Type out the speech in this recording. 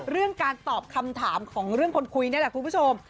เรื่องการตอบคำถามของเรื่องคนคุยนี่แหละคุณผู้ชม